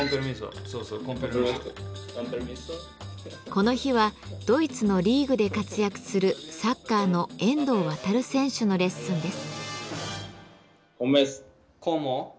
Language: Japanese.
この日はドイツのリーグで活躍するサッカーの遠藤航選手のレッスンです。